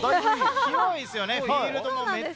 広いですよね、フィールドが。